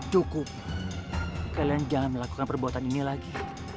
cukup kalian jangan melakukan perbuatan ini lagi